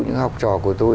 những học trò của tôi